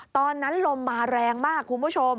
ตอนนั้นลมมาแรงมากคุณผู้ชม